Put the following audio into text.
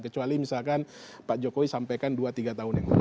kecuali misalkan pak jokowi sampaikan dua tiga tahun yang lalu